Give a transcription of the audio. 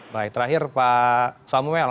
baik terakhir pak samuel